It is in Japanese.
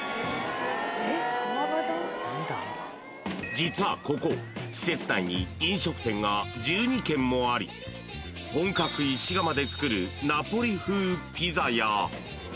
［実はここ施設内に飲食店が１２軒もあり本格石窯で作るナポリ風ピザや］